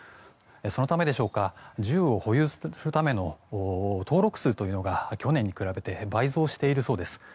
そのためでしょうか銃を保有するための登録数というのが去年に比べて倍増しているそうです。